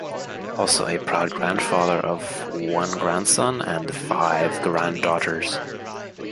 Also a proud Grandfather of one Grandson and Five Granddaughters.